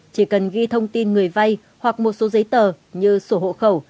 chỉ cần ghi thông tin người vay hoặc một số giấy tờ như sổ hộ khẩu